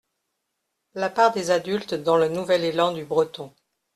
La part des adultes dans le nouvel élan du breton.